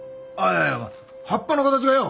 いや葉っぱの形がよ